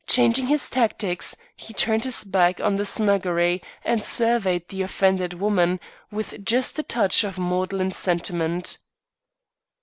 Changing his tactics, he turned his back on the snuggery and surveyed the offended woman, with just a touch of maudlin sentiment.